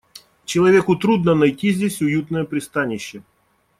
Человеку трудно найти здесь уютное пристанище.